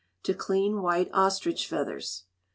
To Clean White Ostrich Feathers.